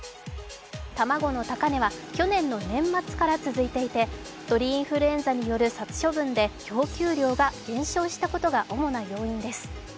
卵の高値は去年の年末から続いていて鳥インフルエンザによる殺処分で供給量が減少したことが主な原因です。